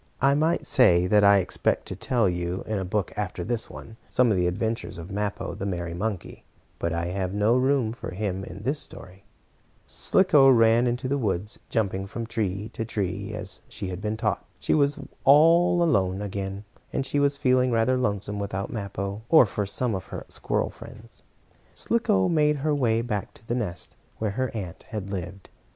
I might say that I expect to tell you, in a book after this one, some of the adventures of Mappo, the merry monkey, but I have no room for him in this story. Slicko ran on through the woods, jumping from tree to tree as she had been taught. She was all alone again, and she was feeling rather lonesome without Mappo, or for some of her squirrel friends. Slicko made her way back to the nest where her aunt had lived.